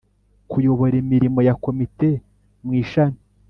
kuyobora imirimo ya komite mu ishami